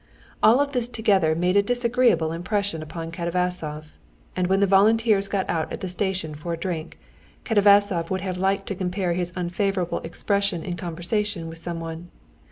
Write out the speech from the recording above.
All of this together made a disagreeable impression on Katavasov, and when the volunteers got out at a station for a drink, Katavasov would have liked to compare his unfavorable impression in conversation with someone.